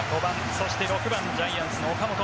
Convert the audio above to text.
そして６番はジャイアンツの岡本。